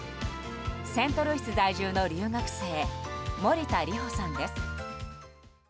セントルイス在住の留学生森田莉帆さんです。